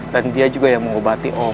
dan dia juga yang mengobati om